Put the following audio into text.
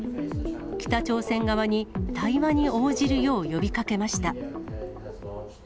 北朝鮮側に対話に応じるよう呼びかけました。